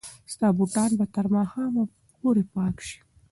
ستا بوټان به تر ماښامه پورې پاک شي.